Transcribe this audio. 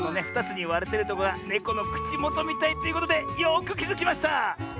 ２つにわれてるとこがネコのくちもとみたいということでよくきづきました！